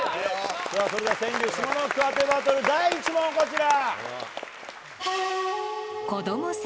それでは川柳下の句当てバトル第１問こちら。